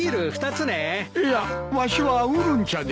いやわしはウーロン茶で。